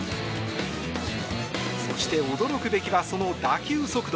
そして、驚くべきはその打球速度。